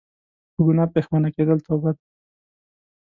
په ګناه پښیمانه کيدل توبه ده